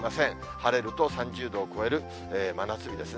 晴れると３０度を超える真夏日ですね。